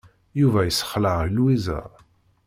Yuba yessexleɛ Lwiza.